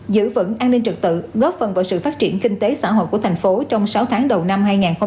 giữ vững an ninh trực tự góp phần vào sự phát triển kinh tế xã hội của thành phố trong sáu tháng đầu năm hai nghìn hai mươi bốn